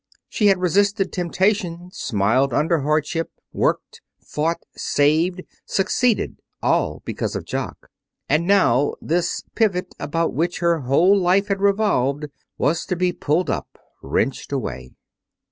She had resisted temptation, smiled under hardship, worked, fought, saved, succeeded, all because of Jock. And now this pivot about which her whole life had revolved was to be pulled up, wrenched away.